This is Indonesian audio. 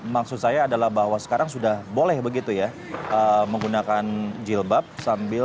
maksud saya sekarang sudah boleh begitu ya menggunakan jilbab sambil berleuraga basket di tikelan internasional